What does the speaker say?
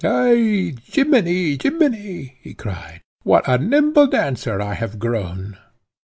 "Eh! Gemini! Gemini!" he cried, "what a nimble dancer I have grown!"